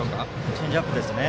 チェンジアップですね。